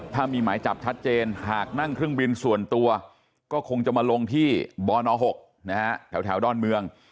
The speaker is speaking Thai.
ถ้ามีหมายจับชัดเจนหากนั่งเครื่องบินส่วนตัวก็คงจะมาลงที่บน๖นะฮะแถวดอนเมือง